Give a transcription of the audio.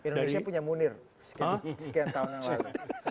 indonesia punya munir sekian tahun yang lalu